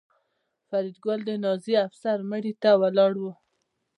فریدګل د نازي افسر مړي ته ولاړ و